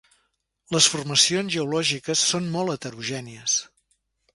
Les formacions geològiques són molt heterogènies.